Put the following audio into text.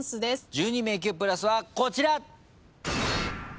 １２迷宮プラスはこちら。